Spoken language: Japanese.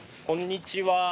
こんにちは。